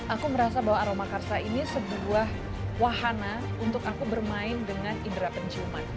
aku merasa bahwa aroma karsa ini sebuah wahana untuk aku bermain dengan indera penciuman